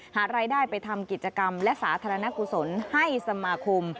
หารายได้ไปทำกิจกรรมและสาธารณกุศลให้สมาคม